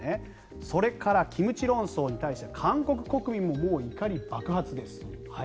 それから、キムチ論争に対しては韓国国民ももう怒り爆発です。